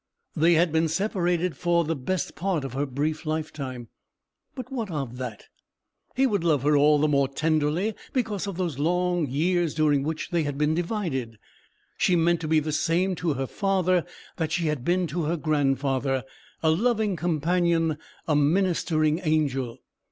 They had been separated for the best part of her brief lifetime; but what of that? He would love her all the more tenderly because of those long years during which they had been divided. She meant to be the same to her father that she had been to her grandfather—a loving companion, a ministering angel.